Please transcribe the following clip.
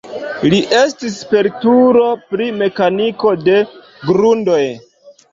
Li estis spertulo pri mekaniko de grundoj.